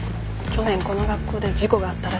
去年この学校で事故があったらしいの。